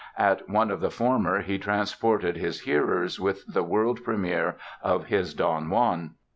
At one of the former he transported his hearers with the world premiere of his Don Juan.